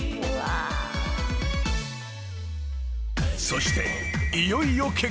［そしていよいよ］